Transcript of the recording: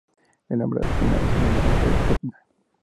El nombre, Aetna, es un homenaje de Etna.